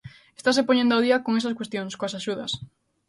Estase poñendo ao día con esas cuestións, coas axudas.